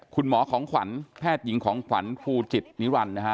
คุณหมอของขวัญแพทยิงของขวัญภูจิตนิรันดร์